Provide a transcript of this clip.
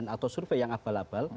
atau survei yang abal abal